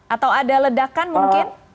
atau ada ledakan mungkin